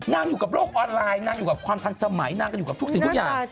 อยู่กับโลกออนไลน์นางอยู่กับความทันสมัยนางก็อยู่กับทุกสิ่งทุกอย่าง